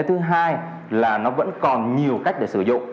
thứ hai là nó vẫn còn nhiều cách để sử dụng